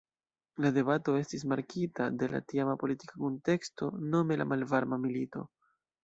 La debato estis markita de la tiama politika kunteksto, nome la Malvarma Milito.